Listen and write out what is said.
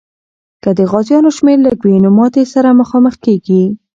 که د غازیانو شمېر لږ وي، نو ماتي سره مخامخ کېږي.